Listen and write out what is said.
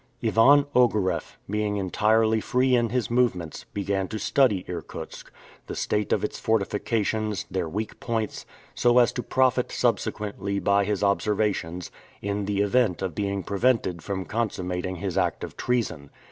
Ivan Ogareff, being entirely free in his movements, began to study Irkutsk, the state of its fortifications, their weak points, so as to profit subsequently by his observations, in the event of being prevented from consummating his act of treason.